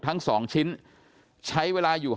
ทั้ง๒ชิ้นใช้เวลาอยู่